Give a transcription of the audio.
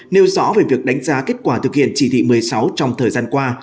nêu rõ về việc đánh giá kết quả thực hiện chỉ thị một mươi sáu trong thời gian qua